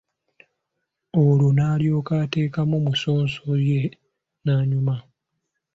Olwo n'alyoka ateekamu musonso ye n'anyuma.